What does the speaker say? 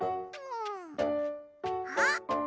うん。あっ！